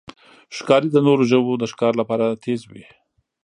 ښکاري د نورو ژوو د ښکار لپاره تیز وي.